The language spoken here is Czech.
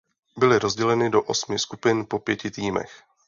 Byly rozděleny do osmi skupin po pěti týmech.